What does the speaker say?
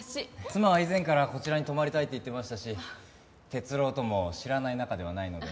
妻は以前からこちらに泊まりたいって言ってましたし哲郎とも知らない仲ではないので。